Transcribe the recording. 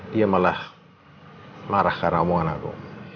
dia malah marah karena omongan aku